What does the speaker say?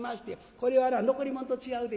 『これはな残り物と違うで。